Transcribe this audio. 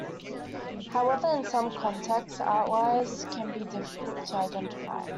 However, in some contexts, outliers can be difficult to identify.